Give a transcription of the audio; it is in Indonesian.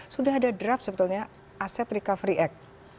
sudah ada draft sebetulnya aset recovery act